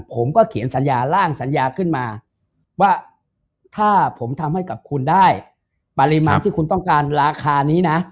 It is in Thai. ผมก็เขียนสัญญาร่างสัญญาขึ้นมาว่าถ้าผมทำให้กับคุณได้ปริมาณที่คุณต้องการราคานี้นะ